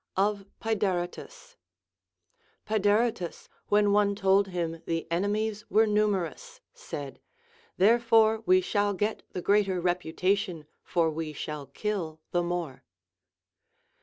Of Paedaretus. Paedaretus, when one told him the enemies Avere numei ous, said. Therefore we shall get the greater reputation, for we shall kill the more.